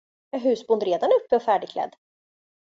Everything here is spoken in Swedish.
Är husbond redan uppe och färdigklädd!